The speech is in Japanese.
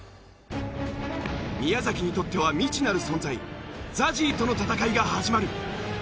宮崎にとっては未知なる存在ＺＡＺＹとの戦いが始まる。